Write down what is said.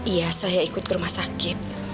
iya saya ikut ke rumah sakit